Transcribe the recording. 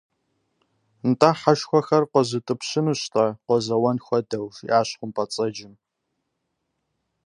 - НтӀэ хьэшхуэхэр къозутӀыпщынущ-тӀэ, къозэуэн хуэдэу, - жиӏащ хъумпӏэцӏэджым.